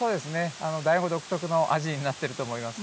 大子町、独特な味になっていると思います。